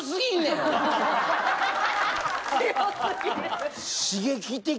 強すぎる。